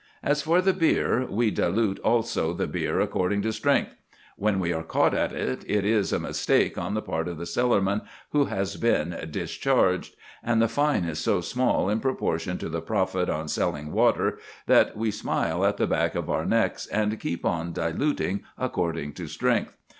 As for the beer, we dilute also the beer according to strength. When we are caught at it, it is a mistake on the part of the cellarman, who has been discharged; and the fine is so small in proportion to the profit on selling water, that we smile at the back of our necks and keep on diluting according to strength.